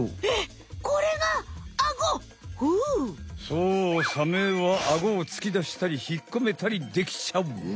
そうサメはアゴを突き出したり引っ込めたりできちゃう！